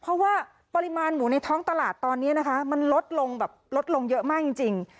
เพราะว่าปริมาณหมูในท้องตลาดตอนนี้นะคะมันลดลงแบบลดลงเยอะมากจริง